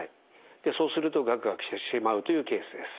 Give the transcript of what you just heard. そうするとガクガクしてしまうというケースです。